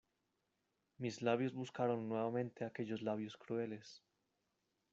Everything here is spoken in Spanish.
mis labios buscaron nuevamente aquellos labios crueles.